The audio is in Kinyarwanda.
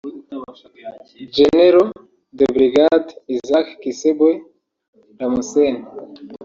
Gen de Brigade Isaac Kisebwe Lamuseni